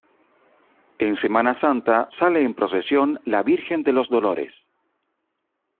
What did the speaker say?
En Semana Santa sale en procesión la Virgen de los Dolores.